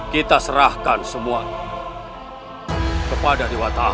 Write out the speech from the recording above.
kita serahkan semua kepada dewa ta'am